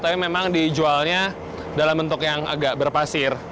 tapi memang dijualnya dalam bentuk yang agak berpasir